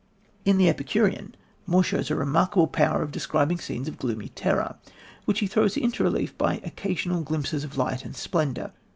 In The Epicurean, Moore shows a remarkable power of describing scenes of gloomy terror, which he throws into relief by occasional glimpses of light and splendour.